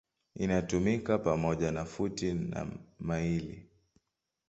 Inatumika pamoja na futi na maili.